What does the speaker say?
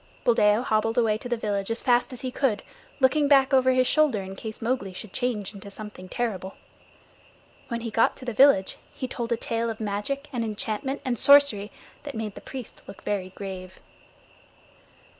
Buldeo hobbled away to the village as fast as he could, looking back over his shoulder in case Mowgli should change into something terrible. When he got to the village he told a tale of magic and enchantment and sorcery that made the priest look very grave.